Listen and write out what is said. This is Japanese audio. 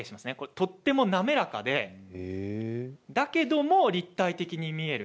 とても滑らかでだけれども立体的に見える。